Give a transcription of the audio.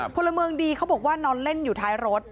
พลเมืองดีเขาบอกว่านอนเล่นอยู่ท้ายรถ